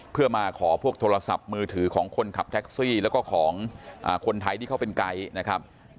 เพื่อมาขอพวกโทรศัพท์มือถือของคนขับแท็กซี่แล้วก็ของคนไทยที่เขาเป็นไกด์นะครับ